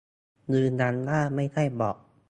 ยืนยันว่าไม่ใช่บ็อต